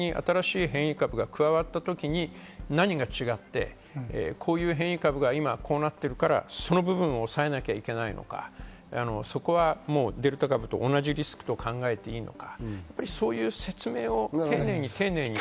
今デルタ株ですけど、これに新しい変異株が加わった時に何が違ってこういう変異株がこうなってるから、その部分を抑えなきゃいけないとか、そこはデルタ株と同じリスクと考えていいのか？